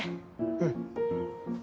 うん。